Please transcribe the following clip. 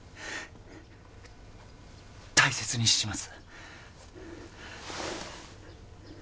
大切にします